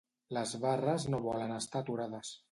Les barres no volen estar aturades.